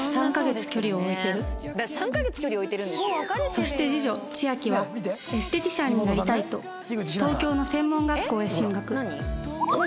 そして次女千秋はエステティシャンになりたいと東京の専門学校へ進学え！